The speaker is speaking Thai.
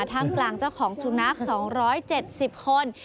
ทางกลางเจ้าของซูนัก๒๗๐คน